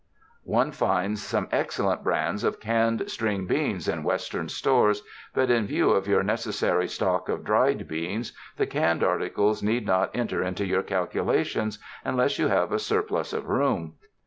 One finds some excellent brands of canned string beans in Western stores, but in view of your neces sary stock of dried beans, the canned articles need not enter into your calculations, unless you have a surplus of room.